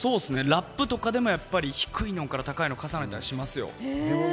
ラップとかでも低いのとか高いの重ねたりしますよ。